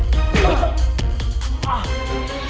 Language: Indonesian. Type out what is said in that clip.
tidak tidak tidak